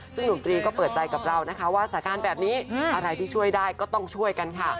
ซึ่งหนุ่มตรีก็เปิดใจกับเรานะคะว่าสถานการณ์แบบนี้อะไรที่ช่วยได้ก็ต้องช่วยกันค่ะ